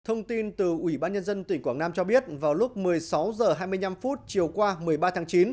thông tin từ ủy ban nhân dân tỉnh quảng nam cho biết vào lúc một mươi sáu h hai mươi năm chiều qua một mươi ba tháng chín